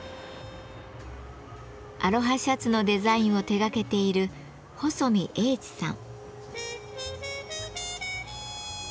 アロハシャツのデザインを手がけている細見英知さん。